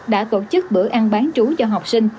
đã tổ chức bữa ăn bán trú cho học sinh